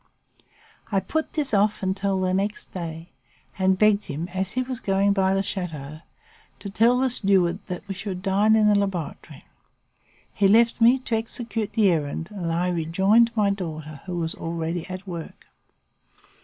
I put this off until the next day, and begged him, as he was going by the chateau, to tell the steward that we should dine in the laboratory. He left me, to execute the errand and I rejoined my daughter, who was already at work.